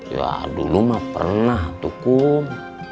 ya dulu mah pernah tuh kum